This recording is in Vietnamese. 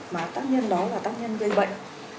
mà tác nhân đó là tác nhân gây bệnh